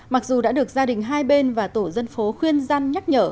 mặc dù đã được gia đình hai bên và tổ dân phố khuyên gian nhắc nhở